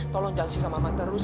tolong jangan setia sama mama terus